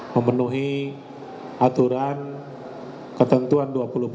memenuhi aturan ketentuan dua puluh empat